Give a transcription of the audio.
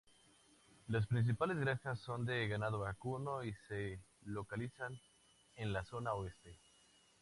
Las principales granjas son de ganado vacuno y se localizan en la zona oeste.